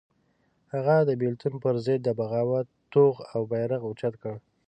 هغه د بېلتون پر ضد د بغاوت توغ او بېرغ اوچت کړ.